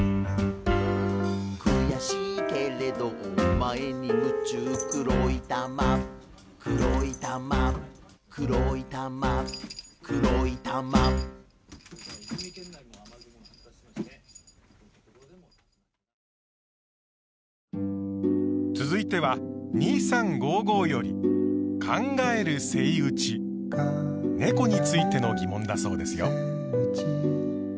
「くやしいけれどお前に夢中黒い玉黒い玉」「黒い玉黒い玉」続いては「２３５５」よりねこについての疑問だそうですよ。